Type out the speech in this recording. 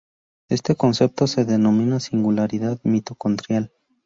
Este concepto se denomina "Singularidad Mitocondrial".